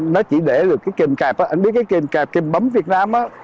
dạy tôi mấy ở đây mấy việt nam